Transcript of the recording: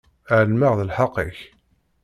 Ɛelmeɣ d lḥeqq-ik.